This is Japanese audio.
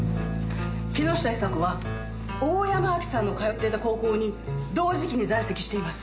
木下伊沙子は大山アキさんの通っていた高校に同時期に在籍しています。